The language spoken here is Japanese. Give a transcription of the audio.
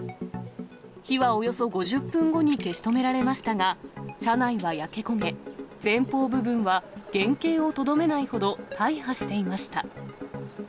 火はおよそ５０分後に消し止められましたが、車内は焼け焦げ、前方部分は原形をとどめないほど大破していました。